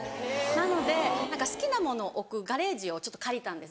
なので好きなものを置くガレージを借りたんです